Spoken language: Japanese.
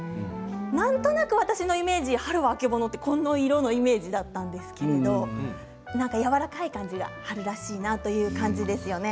なんとなく私のイメージ春はあけぼのは、この色のイメージだったんですけれどもやわらかい感じが春らしいなという感じですよね。